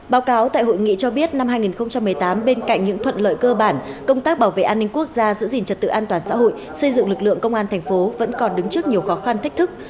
báo cáo tại hội nghị cho biết năm hai nghìn một mươi tám bên cạnh những thuận lợi cơ bản công tác bảo vệ an ninh quốc gia giữ gìn trật tự an toàn xã hội xây dựng lực lượng công an thành phố vẫn còn đứng trước nhiều khó khăn thách thức